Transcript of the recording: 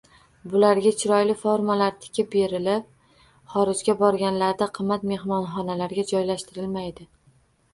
Bularga chiroyli formalar tikib berilib, xorijga borganlarida qimmat mehmonxonalarga joylashtirilmaydilar.